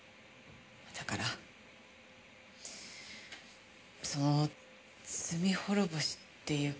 だからその罪滅ぼしっていうか。